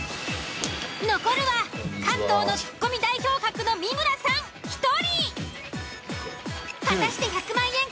残るは関東のツッコミ代表格の三村さん１人！